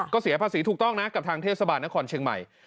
ก็เสียภาษีถูกต้องนะกับทางเทศบาลนครเชียงใหม่